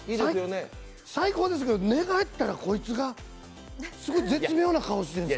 最高ですけど、寝返ったら、こいつが絶妙な顔してるんです。